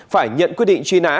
phải nhận quyết định truy nã